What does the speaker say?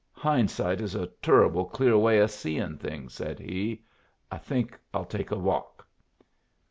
"Hind sight is a turruble clear way o' seein' things," said he. "I think I'll take a walk."